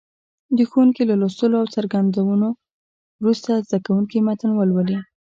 د ښوونکي له لوستلو او څرګندونو وروسته زده کوونکي متن ولولي.